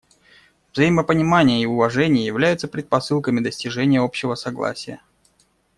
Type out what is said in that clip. Взаимопонимание и уважение являются предпосылками достижения общего согласия.